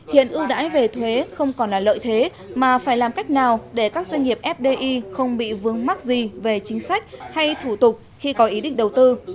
hiện ưu đãi về thuế không còn là lợi thế mà phải làm cách nào để các doanh nghiệp fdi không bị vướng mắc gì về chính sách hay thủ tục khi có ý định đầu tư